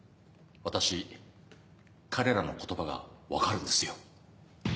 私彼らの言葉が分かるんですよ。